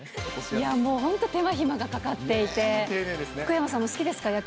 いや、もう本当手間暇がかかっていて、福山さんも好きですか？